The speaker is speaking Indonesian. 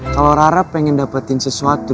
kalau rara pengen dapetin sesuatu